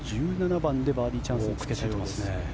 １７番でバーディーチャンスにつけています。